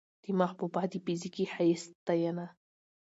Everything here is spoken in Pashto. د محبوبا د فزيکي ښايست ستاينه